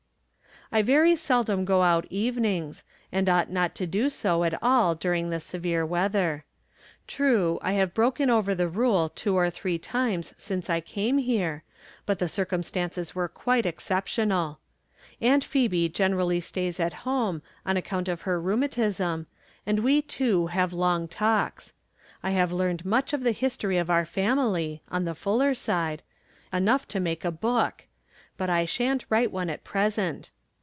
I very seldom go out evenings, and ought not to do so at all during this severe weather. True, I have broken over the rule two or three times since I came here, but the circumstances were quite exceptional. Aunt Phebe generally stays at home, on account of her rheumatism, and we two have long talks. I have learned much of the history of our family (on the Fuller side), enough to make a book ; but I shan't write one at pres ent.